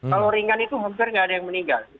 kalau ringan itu hampir nggak ada yang meninggal